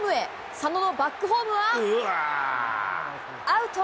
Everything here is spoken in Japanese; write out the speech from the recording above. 佐野のバックホームはアウト。